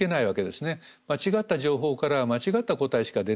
間違った情報からは間違った答えしか出ない。